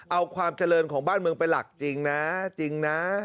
เอาความเจริญของบ้านเมืองเป็นหลักจริงนะจริงนะ